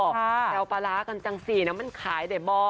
แซวปลาร้ากันจังสี่น้ำมันขายได้บอ